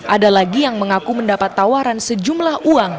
ada lagi yang mengaku mendapat tawaran sejumlah uang